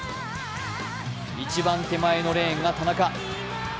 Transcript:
一番手前のレーンが田中。